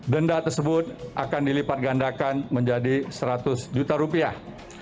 denda tersebut akan dilipat gandakan menjadi seratus juta rupiah